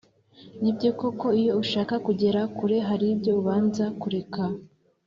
ni byo koko iyo ushaka kugera kure haribyo ubanza kureka